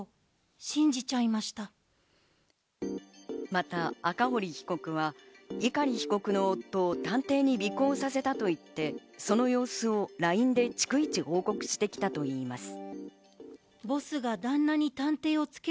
また赤堀被告は碇被告の夫を探偵に尾行させたと言って、その様子をＬＩＮＥで逐一報告してきたといいます。